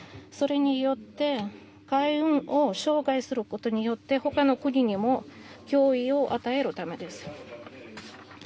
それによって海運を傷害することによって他の国にも脅威を与えるためです。